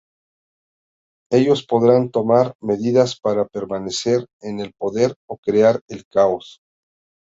Ellos podrían tomar medidas para permanecer en el poder o crear el caos".